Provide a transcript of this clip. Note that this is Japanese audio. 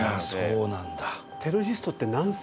そうなんだ。